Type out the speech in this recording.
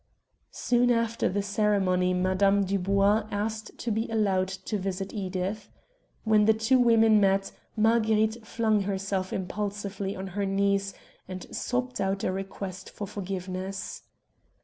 Soon after the ceremony Mme. Dubois asked to be allowed to visit Edith. When the two women met Marguerite flung herself impulsively on her knees and sobbed out a request for forgiveness.